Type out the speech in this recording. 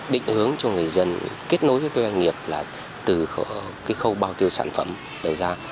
định hướng cho người dân kết nối với các doanh nghiệp là từ khâu bao tiêu sản phẩm đầu ra